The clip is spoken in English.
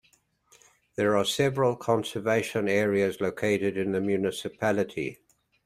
There are several conservation areas located in the municipality.